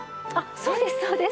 そうですそうです。